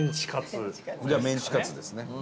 伊達：じゃあメンチカツですね。